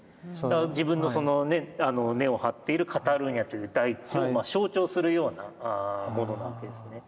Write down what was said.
自分のその根を張っているカタルーニャっていう大地をまあ象徴するようなものなんですね。